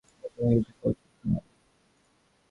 শখের ব্যাপারে কোনোরকম বাধ্যবাধকতা থাকা উচিত নয়।